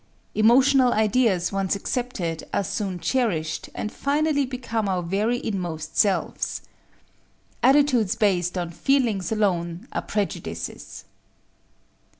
Emotional ideas once accepted are soon cherished, and finally become our very inmost selves. Attitudes based on feelings alone are prejudices.